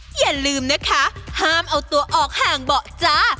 อย่าลืมนะคะห้ามเอาตัวออกห่างเบาะจ้า